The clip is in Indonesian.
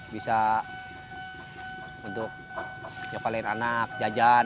bisa untuk nyokalin anak jajan gitu ya kan